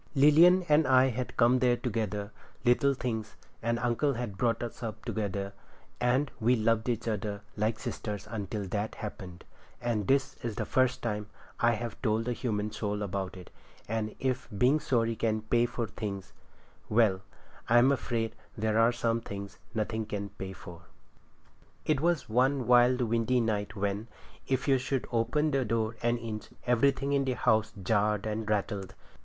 Lilian and I had come there, little things, and uncle had brought us up together, and we loved each other like sisters until that happened, and this is the first time I have told a human soul about it; and if being sorry can pay for things—well, but I'm afraid there are some things nothing can pay for. It was one wild windy night, when, if you should open the door an inch, everything in the house jarred and rattled.